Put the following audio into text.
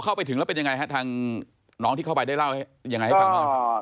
พอเข้าไปถึงแล้วเป็นยังไงครับทางน้องที่เข้าไปได้เล่ายังไงให้ฟังมาก่อน